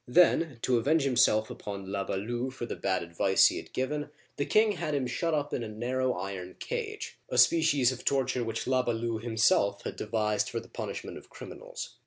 Then, to avenge himself upon La Balue for the bad advice he had given, the king had him shut up in a narrow iron cage, a species of torture which La Balue himself had devised for the punishment of crimi nals.